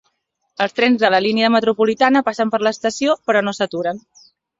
Els trens de la línia metropolitana passen per l'estació, però no s'aturen.